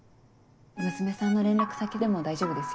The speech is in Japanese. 娘さんの連絡先でも大丈夫ですよ。